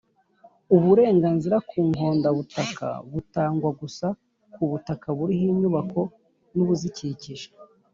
Uburenganzira ku nkondabutaka butangwa gusa ku butaka buriho inyubako n’ubuzikikije